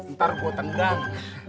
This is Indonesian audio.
ntar gue tendang